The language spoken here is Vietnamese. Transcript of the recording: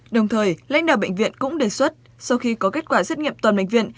đồng thời lãnh đạo bệnh viện cũng đề xuất sau khi có kết quả xét nghiệm toàn bệnh viện